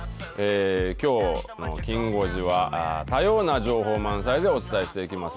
きょうのきん５時は、多様な情報満載でお伝えしていきます。